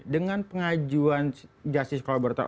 dengan pengajuan justice collaborator